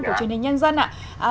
của truyền hình nhân dân ạ